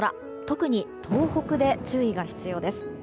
特に東北で注意が必要です。